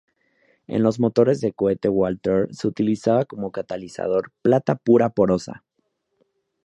En los motores de cohete Walter se utilizaba como catalizador plata pura porosa.